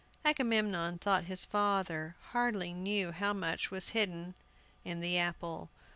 Agamemnon thought his father hardly knew how much was hidden in the apple.